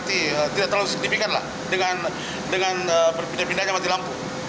tidak terlalu signifikan dengan pindah pindahnya mati lampu